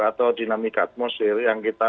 atau dinamika atmosfer yang kita